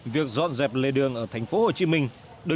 việc dọn dẹp lê đường ở thành phố hồ chí minh